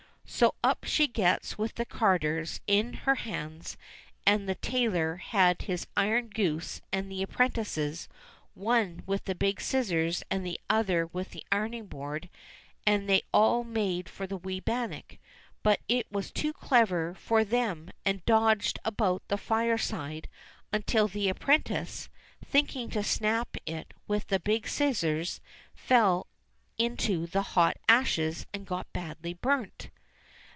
So up she gets with the carders in her hands and the tailor had his iron goose and the apprentices, one with the big scissors and the other with the ironing board, and they all made for the wee bannock ; but it was too clever for them, and dodged about the fireside until the apprentice, thinking to snap it with the big scissors, fell into the hot ashes and got badly burnt.